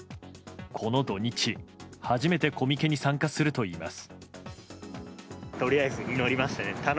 この土日、初めてコミケに参加するといいます。